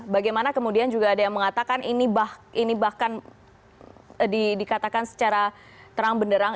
bagaimana kemudian juga ada yang mengatakan ini bahkan dikatakan secara terang benderang